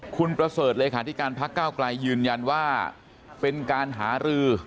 คุณประเสริฐเลขาธิการพักก้าวไกลยืนยันว่าเป็นการหารือ